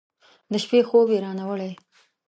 د شپې خوب یې رانه وړی